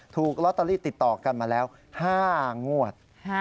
ถูกลอตเตอรี่ติดต่อกันมาแล้ว๕งวด